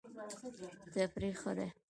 تفریح ښه دی.